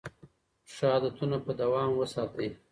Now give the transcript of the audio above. ښه عادتونه په دوام وساتئ.